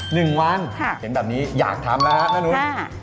หนึ่งวันค่ะเห็นแบบนี้อยากทำแล้วฮะแม่นุ้น